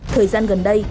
thời gian gần đây